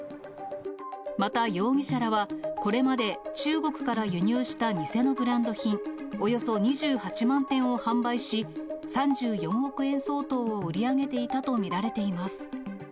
また容疑者らは、これまで中国から輸入した偽のブランド品、およそ２８万点を販売し、３４億円相当を売り上げていたと見られています。